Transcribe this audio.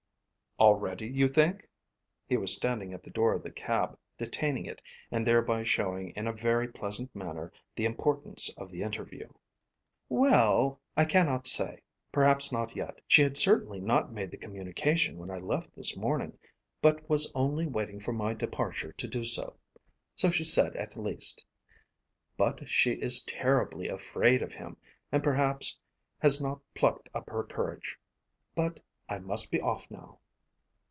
"Already, you think." He was standing at the door of the cab, detaining it, and thereby showing in a very pleasant manner the importance of the interview. "Well; I cannot say. Perhaps not yet. She had certainly not made the communication when I left this morning, but was only waiting for my departure to do so. So she said at least. But she is terribly afraid of him and perhaps has not plucked up her courage. But I must be off now."